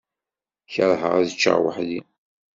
Kerheɣ ad ččeɣ weḥd-i.